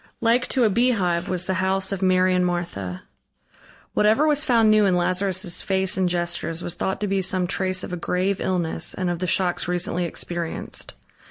Like to a beehive was the house of Mary and Martha. Whatever was found new in Lazarus' face and gestures was thought to be some trace of a grave illness and of the shocks recently experienced.